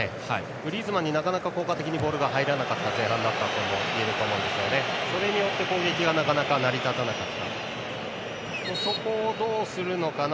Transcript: グリーズマンになかなか効果的にボールが入らなかった前半だったといえると思うのでそれによって攻撃がなかなか成り立たなかった。